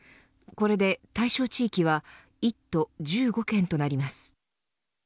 これで対象地域は１都１５県となります。